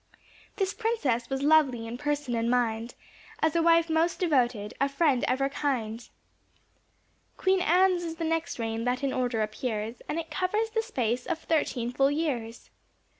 This princess was lovely in person and mind, As a wife most devoted, a friend ever kind. Queen Ann's is the next reign that in order appears And it covers the space of thirteen full years.